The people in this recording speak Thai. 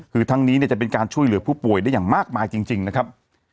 คือทั้งนี้จะเป็นการช่วยเหลือผู้ป่วยได้อย่างมากมายจริงนะครับ